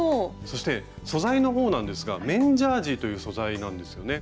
そして素材の方なんですが綿ジャージーという素材なんですよね？